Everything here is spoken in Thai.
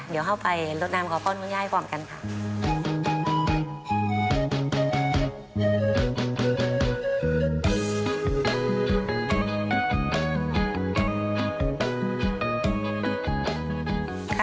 เดี๋ยวเข้าไปรดนามขอพรคุณย่ายพร้อมกันค่ะ